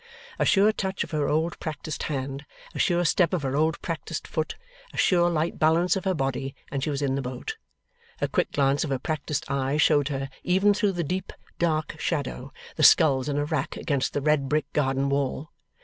A sure touch of her old practised hand, a sure step of her old practised foot, a sure light balance of her body, and she was in the boat. A quick glance of her practised eye showed her, even through the deep dark shadow, the sculls in a rack against the red brick garden wall.